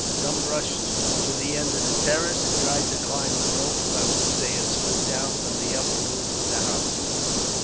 Some rushed to the end of the terrace, and tried to climb the ropes by which they had slid down from the upper roof of the house.